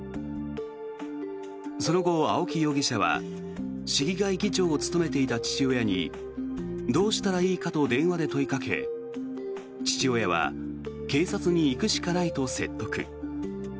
その後、青木容疑者は市議会議長を務めていた父親にどうしたらいいかと電話で問いかけ父親は警察に行くしかないと説得。